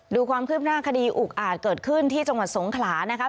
ดูความคืบหน้าคดีอุกอาจเกิดขึ้นที่จังหวัดสงขลานะคะ